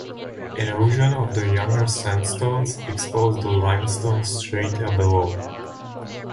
Erosion of the younger sandstones exposed the limestone strata below.